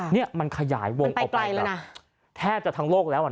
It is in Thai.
เนี่ยมันขยายวงออกไปแล้วแทบจากทั้งโลกแล้วอ่ะนะ